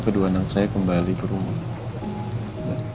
kedua anak saya kembali ke rumah